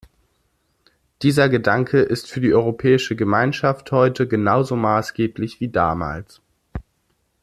Dieser Gedanke ist für die Europäische Gemeinschaft heute genauso maßgeblich wie damals.